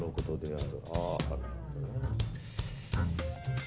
ああ